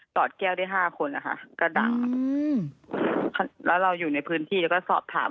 อดแก้วได้ห้าคนนะคะก็ด่าอืมแล้วเราอยู่ในพื้นที่แล้วก็สอบถาม